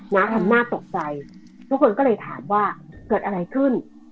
ทำหน้าตกใจทุกคนก็เลยถามว่าเกิดอะไรขึ้น